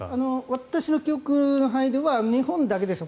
私の記憶の範囲では日本だけです。